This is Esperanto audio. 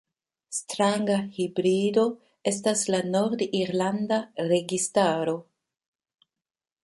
Stranga hibrido estas la nord-irlanda registaro.